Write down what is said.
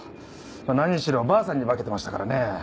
何しろおばあさんに化けてましたからね。